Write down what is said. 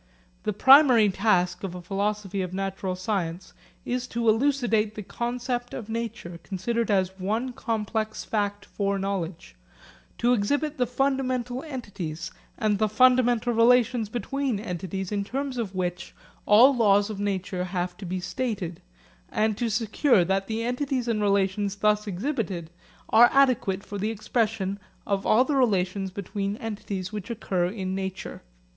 The primary task of a philosophy of natural science is to elucidate the concept of nature, considered as one complex fact for knowledge, to exhibit the fundamental entities and the fundamental relations between entities in terms of which all laws of nature have to be stated, and to secure that the entities and relations thus exhibited are adequate for the expression of all the relations between entities which occur in nature.